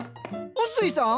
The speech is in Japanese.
薄井さん？